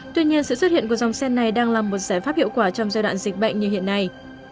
tuy nhiên sự xuất hiện của dòng xe này đang là một giải pháp hiệu quả trong giai đoạn dịch bệnh như hiện nay